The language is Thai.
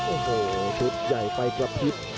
โอ้โหชุดใหญ่ไปกลับทิศ